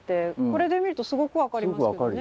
これで見るとすごく分かりますよね。